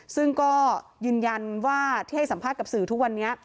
ซึ่งก็ยืนยันว่าที่ให้สัมภาษณ์กับสื่อทุกวันนี้